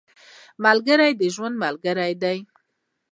ملګری د ژوند ملګری دی